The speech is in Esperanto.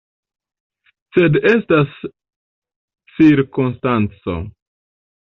Sed estas cirkonstanco.